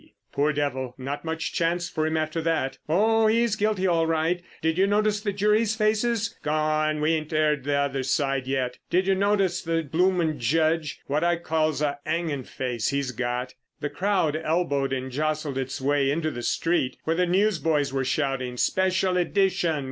"Poor devil, not much chance for him after that!" "Oh, he's guilty all right! Did you notice the jury's faces?" "G'on! we ain't 'eard t' other side yet." "Did yer notice the bloomin' judge? What I calls a 'anging face, 'e's got!" The crowd elbowed and jostled its way into the street, where the newsboys were shouting "Special edition!